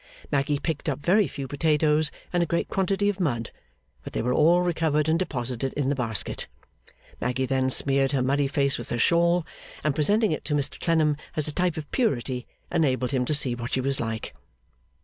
Maggy picked up very few potatoes and a great quantity of mud; but they were all recovered, and deposited in the basket. Maggy then smeared her muddy face with her shawl, and presenting it to Mr Clennam as a type of purity, enabled him to see what she was like.